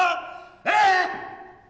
えっ！